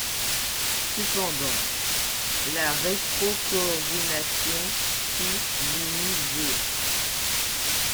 Cependant, la rétrocoorination π diminue ν.